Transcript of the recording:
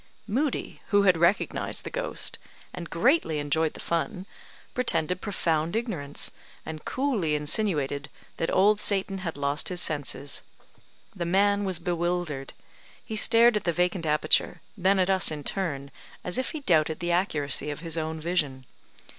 Moodie, who had recognised the ghost, and greatly enjoyed the fun, pretended profound ignorance, and coolly insinuated that Old Satan had lost his senses. The man was bewildered; he stared at the vacant aperture, then at us in turn, as if he doubted the accuracy of his own vision.